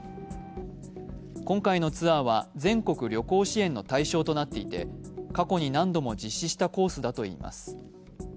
今回のツアーは全国旅行支援の対象となっていて過去に何度も実施したコースだといいます。